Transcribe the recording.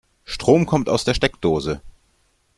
Strom kommt aus der Steckdose.